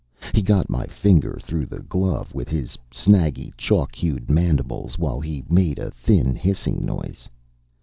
He got my finger, through the glove, with his snaggy, chalk hued mandibles, while he made a thin hissing noise.